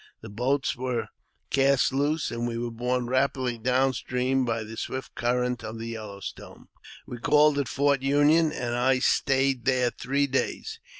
The boats were cast loose, and we were borne rapidly down stream by the swift current of the Yellow Stone. We called at Fort Union, and I stayed there three days.